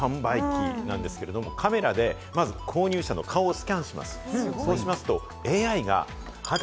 コスメの自動販売機なんですけれども、カメラでまず購入者の顔をスキャンします。